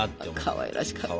かわいらしかったね。